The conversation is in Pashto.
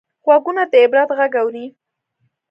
غوږونه د عبرت غږ اوري